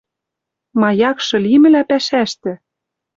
Маякшы лимӹлӓ пӓшӓштӹ?